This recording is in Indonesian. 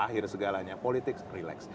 akhir segalanya politik relax